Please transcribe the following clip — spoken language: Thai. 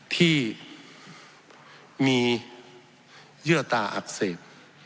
ที่มีเยื่อตาอักเสบ